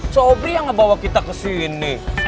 sobri yang ngebawa kita kesini